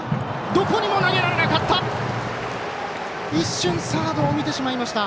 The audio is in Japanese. どこにも投げられなかった。